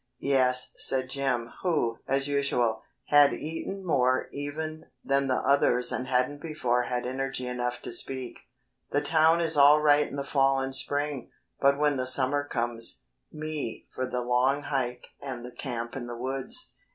"Yes," said Jim, who, as usual, had eaten more even than the others and hadn't before had energy enough to speak, "the town is all right in the fall and spring, but when the summer comes, me for the long hike and the camp in the woods."